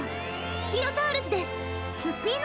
スピノサウルス？